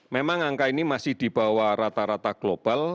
memang angka ini masih dibawa rata rata global